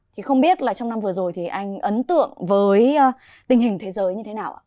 thì không biết là trong năm vừa rồi thì anh ấn tượng với tình hình thế giới như thế nào ạ